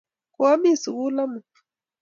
koamii sukul omut